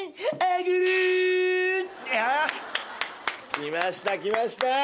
来ました来ました。